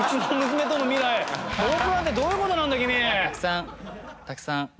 たくさん。